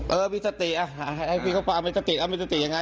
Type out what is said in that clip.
เออมีจัดตีอะให้พี่เข้าไปเอาไปจัดตีเอาไปจัดตียังไง